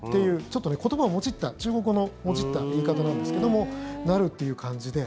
ちょっと言葉をもじった中国語のもじった言い方なんですけども応援になるという感じで。